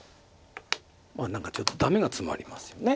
何かちょっとダメがツマりますよね。